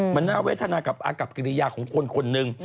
มันน่าเวทนากับอากับกิริยาของคนคนหนึ่ง